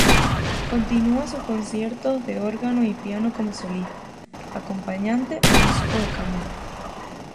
Continúa sus conciertos de órgano y piano como solista, acompañante o músico de cámara.